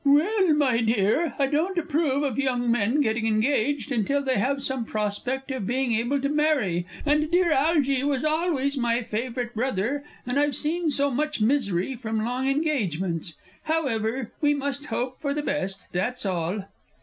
Well, my dear, I don't approve of young men getting engaged until they have some prospect of being able to marry, and dear Algy was always my favourite brother, and I've seen so much misery from long engagements. However, we must hope for the best, that's all!